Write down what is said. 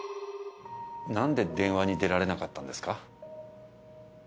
なんで電話に出られなかったんですか？